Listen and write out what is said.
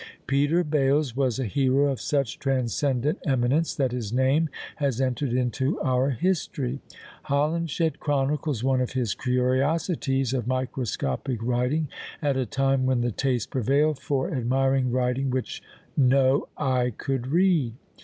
Peter Bales was a hero of such transcendent eminence, that his name has entered into our history. Holinshed chronicles one of his curiosities of microscopic writing at a time when the taste prevailed for admiring writing which no eye could read!